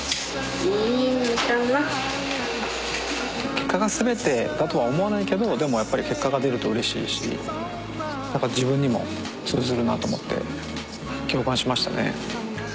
結果が全てだとは思わないけどでもやっぱり結果が出るとうれしいし何か自分にも通ずるなと思って共感しましたね。